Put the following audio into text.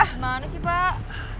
gimana sih pak